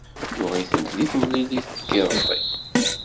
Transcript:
Yuɣ-itent deg temlilit n yiḍelli.